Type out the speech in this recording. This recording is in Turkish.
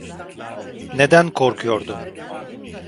Neden korkuyordum?